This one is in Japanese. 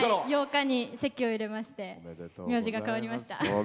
８日に籍を入れまして名字が変わりました。